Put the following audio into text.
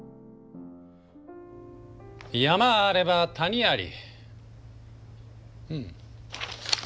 山あれば谷あり。